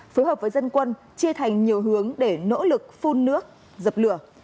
phối hợp với dân quân chia thành nhiều hướng để nỗ lực phun nước dập lửa